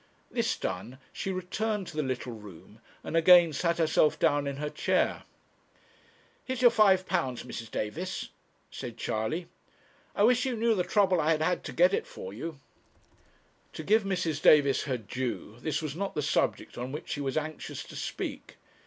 This done, she returned to the little room, and again sat herself down in her chair. 'Here's your five pounds, Mrs. Davis,' said Charley; 'I wish you knew the trouble I have had to get it for you.' To give Mrs. Davis her due, this was not the subject on which she was anxious to speak.